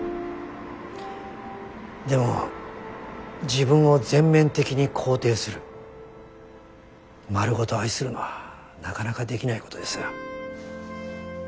でも自分を全面的に肯定する丸ごと愛するのはなかなかできないことですよ。